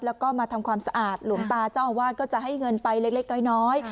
แล้วก็มาทำความสะอาดหลวงตาเจ้าอาวาสก็จะให้เงินไปเล็กน้อย